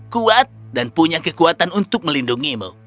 kuat dan punya kekuatan untuk melindungimu